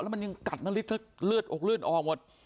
แล้วมันกัดเลือดออกออกหมด